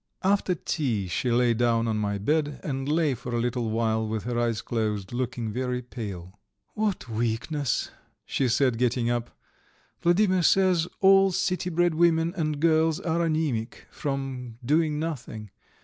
After tea she lay down on my bed, and lay for a little while with her eyes closed, looking very pale. "What weakness," she said, getting up. "Vladimir says all city bred women and girls are anæmic from doing nothing.